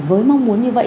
với mong muốn như vậy